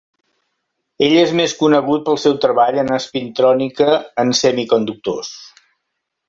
Ell és més conegut pel seu treball en espintrònica en semiconductors.